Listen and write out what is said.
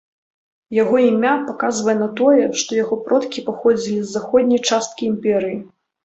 Яго імя паказвае на тое, што яго продкі паходзілі з заходняй часткі імперыі.